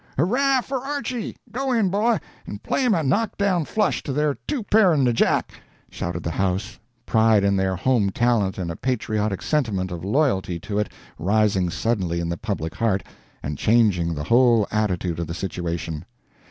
"Hurrah for Archy! Go in, boy, and play 'em a knock down flush to their two pair 'n' a jack!" shouted the house, pride in their home talent and a patriotic sentiment of loyalty to it rising suddenly in the public heart and changing the whole attitude of the situation.